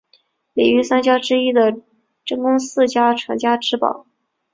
里御三家之一的真宫寺家传家之宝。